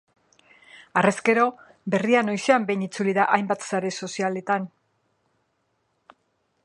Harrezkero, berria noizean behin itzuli da, hainbat sare sozialetan.